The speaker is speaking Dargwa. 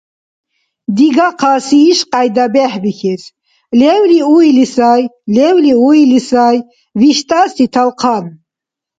Дигахъаси ишкьяйда бехӀбихьес: «Левли уили сай, левли уили сай виштӀаси талхъан»